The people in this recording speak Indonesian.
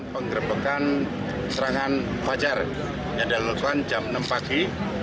penggerbekan serangan wajar yang dilakukan jam enam pagi